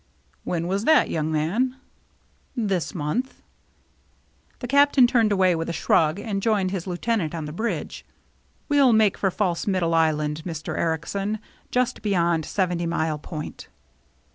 " When was that, young man ?"" This month." The Captain turned away with a shrug, and joined his lieutenant on the bridge. "We'll make for False Middle Island, Mr. Ericsen, just beyond Seventy Mile Point."